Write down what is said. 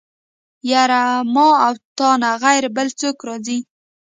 يره ما او تانه غير بل څوک راځي.